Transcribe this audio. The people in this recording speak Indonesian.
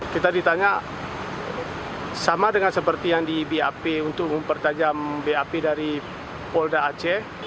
kita ditanya sama dengan seperti yang di bap untuk mempertajam bap dari polda aceh